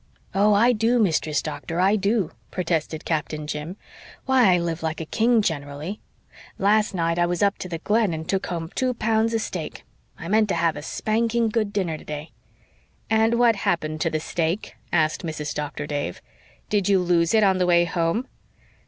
"Oh, I do, Mistress Doctor, I do," protested Captain Jim. "Why, I live like a king gen'rally. Last night I was up to the Glen and took home two pounds of steak. I meant to have a spanking good dinner today." "And what happened to the steak?" asked Mrs. Doctor Dave. "Did you lose it on the way home?"